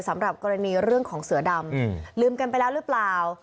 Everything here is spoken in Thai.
สำหรับกรณีเรื่องของเสือดำลืมกันไปแล้วหรือเปล่า